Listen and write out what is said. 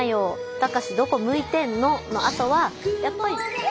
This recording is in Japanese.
「タカシどこ向いてんの」のあとはやっぱり。